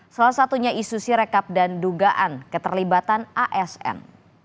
salah satunya isu sirekap dan dugaan keterlibatan asn